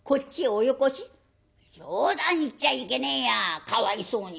「冗談言っちゃいけねえやかわいそうに。